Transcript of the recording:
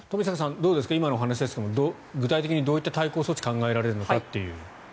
どうですか今のお話ですが具体的にどういった対抗措置を考えられるのかという。